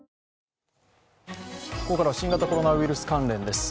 ここからは新型コロナウイルス関連です。